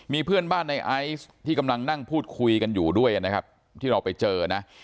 มีเพื่อนบ้านในไอซ์ที่กำลังนั่งพูดคุยกันอยู่ด้วยนะครับที่เราไปเจอนะ